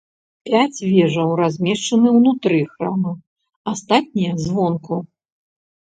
Пяць вежаў размешчаны ўнутры храма, астатнія звонку.